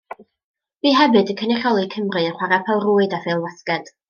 Bu hefyd yn cynrychioli Cymru yn chwarae pêl-rwyd a phêl-fasged.